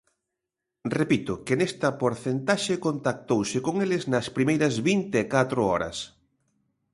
Repito que nesta porcentaxe contactouse con eles nas primeiras vinte e catro horas.